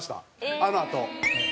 あのあと。